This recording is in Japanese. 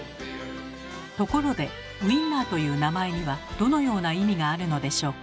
ところでウインナーという名前にはどのような意味があるのでしょうか？